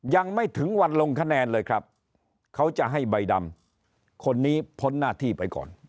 ยังไม่ถึงวันลงคะแนนเลยครับเขาจะให้ใบดำคนนี้พ้นหน้าที่ไปก่อน